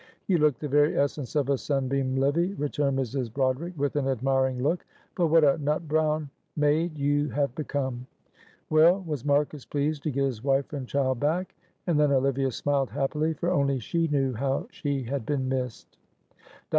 "You look the very essence of a sunbeam, Livy," returned Mrs. Broderick, with an admiring look; "but what a nut brown mayde you have become. Well, was Marcus pleased to get his wife and child back?" And then Olivia smiled happily, for only she knew how she had been missed. Dr.